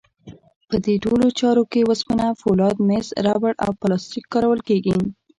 په دې ټولو چارو کې وسپنه، فولاد، مس، ربړ او پلاستیک کارول کېږي.